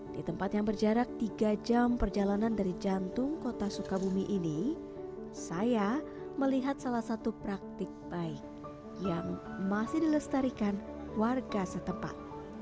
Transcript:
di tempat yang berjarak tiga jam perjalanan dari jantung kota sukabumi ini saya melihat salah satu praktik baik yang masih dilestarikan warga setempat